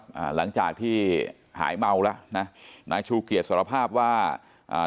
อ่าหลังจากที่หายเมาแล้วนะนายชูเกียจสารภาพว่าอ่า